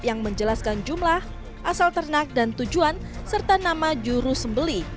yang menjelaskan jumlah asal ternak dan tujuan serta nama juru sembeli